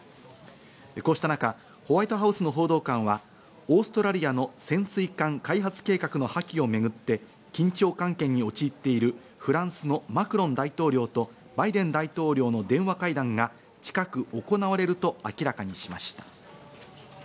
こうした中、ホワイトハウスの報道官はオーストラリアの潜水艦開発計画の破棄をめぐって、緊張関係に陥っているフランスのマクロン大統領とバイデン大統領の電話会談が近く行われると明らかにしました。